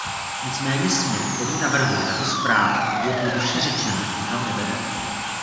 Nicméně směr, který navrhuje tato zpráva, jednoduše řečeno nikam nevede.